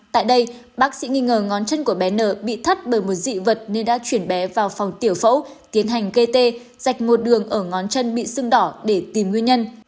tại đây bác sĩ nghi ngờ ngón chân của bé n bị thất bởi một dị vật nên đã chuyển bé vào phòng tiểu phẫu tiến hành kê tê dạch một đường ở ngón chân bị sưng đỏ để tìm nguyên nhân